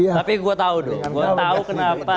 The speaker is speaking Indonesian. tapi gue tahu dong gue tau kenapa